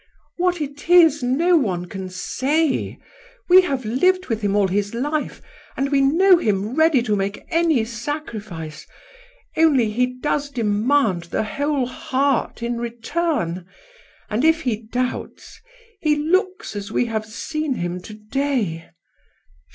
" What it is no one can say. We have lived with him all his life, and we know him ready to make any sacrifice; only, he does demand the whole heart in return. And if he doubts, he looks as we have seen him to day."